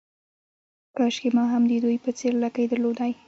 کاشکې ما هم د دوی په څېر لکۍ درلودای.